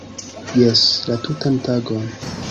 Jes! - La tutan tagon